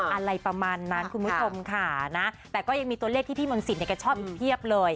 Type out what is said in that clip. อะไรประมาณนั้นคุณผู้ชมค่ะนะแต่ก็ยังมีตัวเลขที่พี่มนต์สิทธิ์แกชอบอีกเพียบเลย